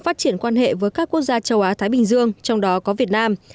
phát triển quan hệ với các quốc gia châu á thái bình dương trong đó có việt nam